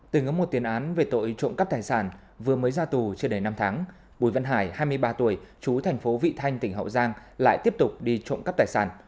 từng có một tiền án về tội trộm cắp tài sản vừa mới ra tù chưa đầy năm tháng bùi văn hải hai mươi ba tuổi chú thành phố vị thanh tỉnh hậu giang lại tiếp tục đi trộm cắp tài sản